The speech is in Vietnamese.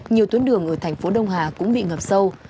nhiều tuyến đường ở thành phố đông hà cũng bị ngập sâu